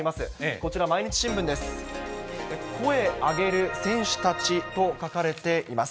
こちら、毎日新聞です。